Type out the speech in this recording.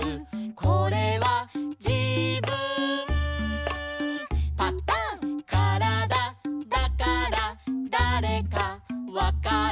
「これはじぶんパタン」「からだだからだれかわかる」